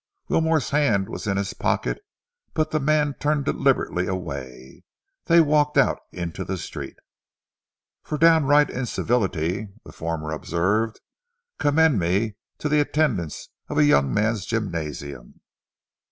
Wilmore's hand was in his pocket but the man turned deliberately away. They walked out into the street. "For downright incivility," the former observed, "commend me to the attendants of a young men's gymnasium!"